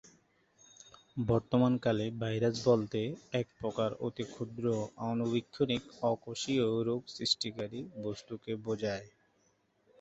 বর্তমান কালে ভাইরাস বলতে এক প্রকার অতি ক্ষুদ্র আণুবীক্ষণিক অকোষীয় রোগ সৃষ্টিকারী বস্তুকে বোঝায়।